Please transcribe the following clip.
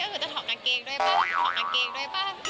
ก็คือจะถอดกางเกงด้วยป่ะ